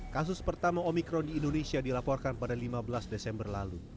kasus pertama omikron di indonesia dilaporkan pada lima belas desember lalu